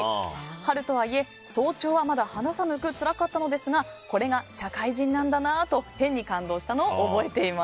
春とはいえ早朝はまだ肌寒くつらかったのですがこれが社会人なんだなと変に感動したのを覚えています。